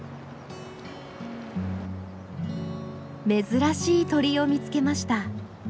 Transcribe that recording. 珍しい鳥を見つけました。